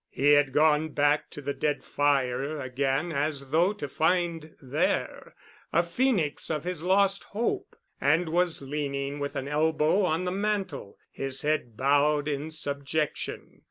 He had gone back to the dead fire again as though to find there a phenix of his lost hope, and was leaning with an elbow on the mantel, his head bowed in subjection.